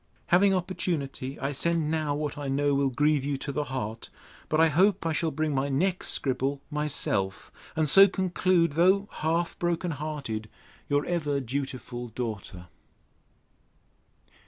Having opportunity, I send now what I know will grieve you to the heart. But I hope I shall bring my next scribble myself; and so conclude, though half broken hearted, Your ever dutiful DAUGHTER.